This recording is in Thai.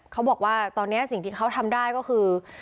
เขาบอกว่าตอนนี้สิ่งที่เขาทำได้ก็คือ